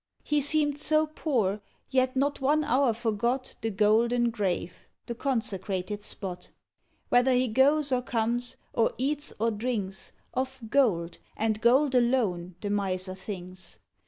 He seemed so poor, yet not one hour forgot The golden grave, the consecrated spot: Whether he goes or comes, or eats or drinks, Of gold, and gold alone, the Miser thinks.